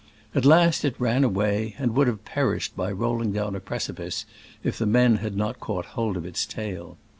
At last it ran away, and would have perished by roll ing down a precipice if the men had not caught hold of its tail.